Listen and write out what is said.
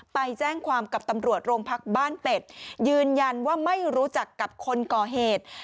ไปแจ้งความกับตำรวจโรงพักบ้านเป็ดยืนยันว่าไม่รู้จักกับคนก่อเหตุ